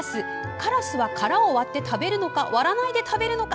カラスは、殻を割って食べるのか割らないで食べるのか？